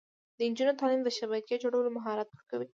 د نجونو تعلیم د شبکې جوړولو مهارت ورکوي.